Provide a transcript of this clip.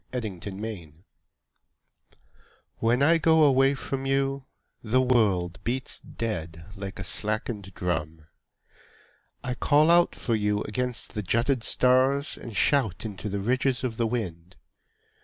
The Taxi When I go away from you The world beats dead Like a slackened drum. I call out for you against the jutted stars And shout into the ridges of the wind.